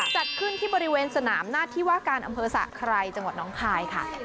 จัดขึ้นที่บริเวณสนามหน้าที่ว่าการอำเภอสะไครจังหวัดน้องคายค่ะ